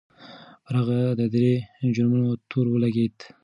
پر هغه د درې جرمونو تور ولګېد.